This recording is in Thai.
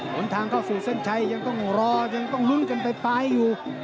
นทางเข้าสู่เส้นชัยยังต้องรอยังต้องลุ้นกันไปปลายอยู่